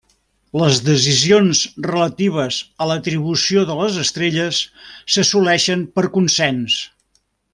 Les decisions relatives a l’atribució de les estrelles s’assoleixen per consens.